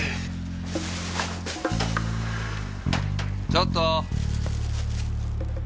ちょっと。